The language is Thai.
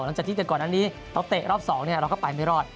หลังจากที่เทคก่อนในเราจะเตะรอบ๒เราก็ไปไม่รอด